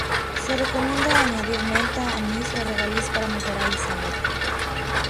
Se recomienda añadir menta, anís o regaliz para mejorar el sabor.